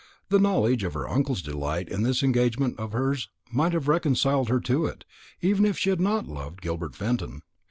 The knowledge of her uncle's delight in this engagement of hers might have reconciled her to it, even if she had not loved Gilbert Fenton.